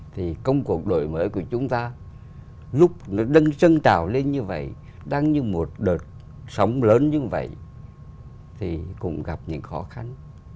thì công cuộc đổi mới của chúng ta lúc nó đâng trào lên như vậy đang như một đợt sóng lớn như vậy thì cũng gặp những khó khăn